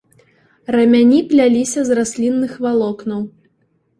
Рамяні пляліся з раслінных валокнаў.